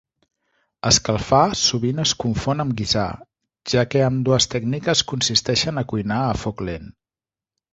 Escalfar sovint es confon amb guisar, ja que ambdues tècniques consisteixen a cuinar a foc lent.